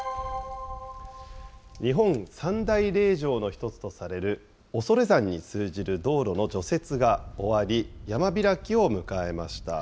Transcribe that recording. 日本三大霊場の一つとされる恐山に通じる道路の除雪が終わり、山開きを迎えました。